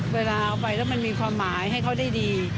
เวลาเอาไปแล้วมันมีความหมายให้เขาได้ดี